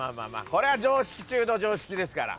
これは常識中の常識ですから。